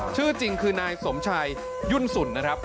ชื่อจริงคือนายสมชัยยุ่นสุนนะครับ